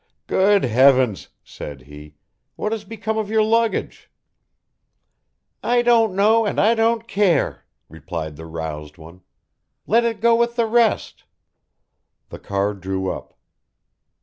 "Good heavens," said he, "what has become of your luggage?" "I don't know and I don't care," replied the roused one, "let it go with the rest." The car drew up.